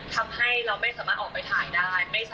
ทำให้เราไม่สามารถออกไปถ่ายได้